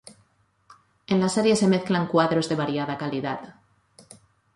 En la serie se mezclan cuadros de variada calidad.